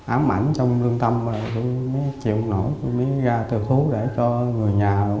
ám ảnh trong lương tâm tôi mới chịu không nổi tôi mới ra từ khu để cho người nhà